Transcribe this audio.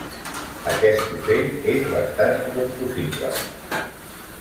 Aquest ocell és bastant inconfusible.